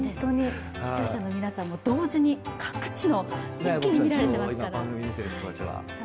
視聴者の皆さんも同時に各地のを一気に見られていますから。